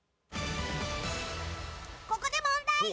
ここで問題！